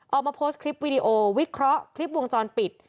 ออกมาโพสต์คลิปวิดีโอวิเคราะห์คลิปวงจรปิด